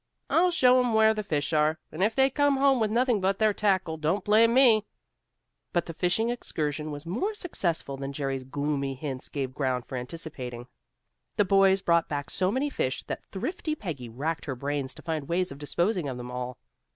"I'll show 'em where the fish are, and if they come home with nothing but their tackle, don't blame me." But the fishing excursion was more successful than Jerry's gloomy hints gave ground for anticipating. The boys brought back so many fish that thrifty Peggy racked her brains to find ways of disposing of them all.